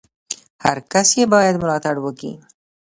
هر کس ئې بايد ملاتړ وکي!